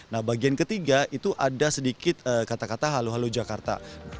nah bagian ketiga itu ada sedikit kata kata halo halo jakarta